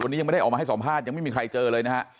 วันนี้ยังไม่ได้ออกมาให้สัมภาษณ์ยังไม่มีใครเจอเลยนะฮะ